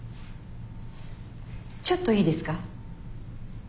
ちょっといいですか？